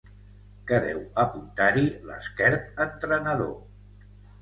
Què deu apuntar-hi l'esquerp entrenador?